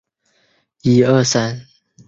抚仙粘体虫为粘体科粘体虫属的动物。